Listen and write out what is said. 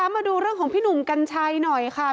มาดูเรื่องของพี่หนุ่มกัญชัยหน่อยค่ะ